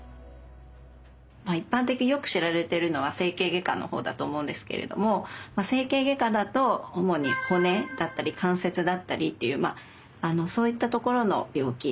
一般的によく知られてるのは整形外科の方だと思うんですけれども整形外科だと主に骨だったり関節だったりっていうそういったところの病気。